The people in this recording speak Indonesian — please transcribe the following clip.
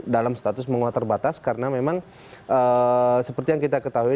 dalam status menguat terbatas karena memang seperti yang kita ketahui